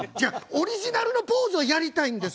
オリジナルのポーズをやりたいんです。